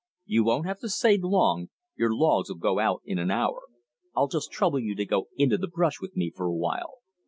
You won't have to stay long; your logs'll go out in an hour. I'll just trouble you to go into the brush with me for a while."